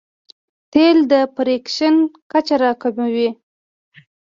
تېل د فریکشن کچه راکموي.